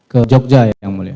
ke jogja yang mulia